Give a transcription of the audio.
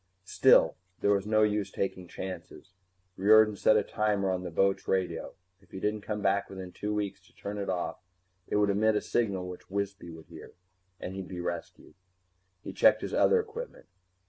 Still, there was no use taking chances. Riordan set a timer on the boat's radio. If he didn't come back within two weeks to turn it off, it would emit a signal which Wisby would hear, and he'd be rescued. He checked his other equipment.